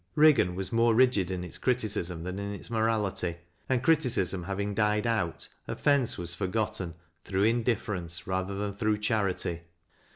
Riggan was more rigid in its criticism than in its morality, and criticism hav ing died out, offense was forgotten through indifference rather than through charity.